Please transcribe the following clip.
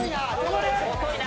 遅いな。